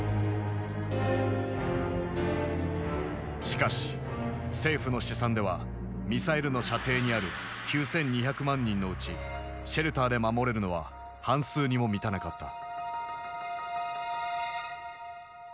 しかし政府の試算ではミサイルの射程にある９，２００万人のうちシェルターで守れるのは半数にも満たなかった。